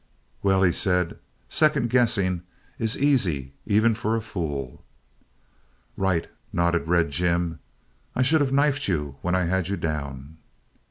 "Well," he said, "second guessing is easy, even for a fool." "Right," nodded Red Jim. "I should of knifed you when I had you down."